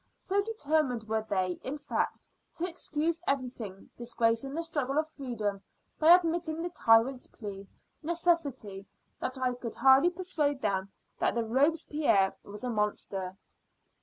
So determined were they, in fact, to excuse everything, disgracing the struggle of freedom, by admitting the tyrant's plea, necessity, that I could hardly persuade them that Robespierre was a monster.